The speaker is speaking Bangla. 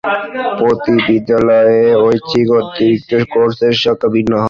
প্রতি বিদ্যালয়ে ঐচ্ছিক অতিরিক্ত কোর্সের সংখ্যা ভিন্ন হয়।